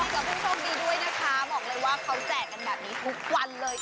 กับผู้โชคดีด้วยนะคะบอกเลยว่าเขาแจกกันแบบนี้ทุกวันเลยค่ะ